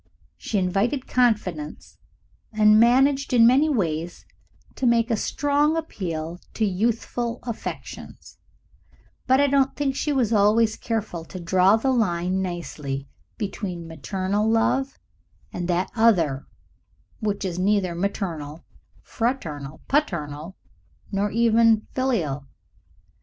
She invited confidence and managed in many ways to make a strong appeal to youthful affections, but I don't think she was always careful to draw the line nicely between maternal love and that other which is neither maternal, fraternal, paternal, nor even filial.